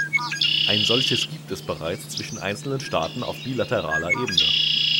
Ein solches gibt es bereits zwischen einzelnen Staaten auf bilateraler Ebene.